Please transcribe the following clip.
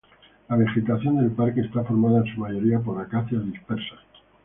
La vegetación del parque está formada en su mayoría por acacias dispersas.